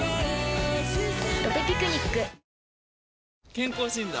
健康診断？